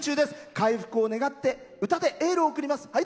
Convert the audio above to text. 快復を願って歌でエールを送ります。